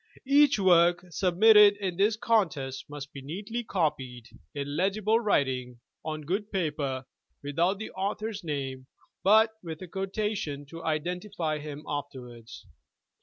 Each work submitted in this contest must be neatly copied, in legible writing, on good paper, without the author's name but with a quotation to identify him afterwards.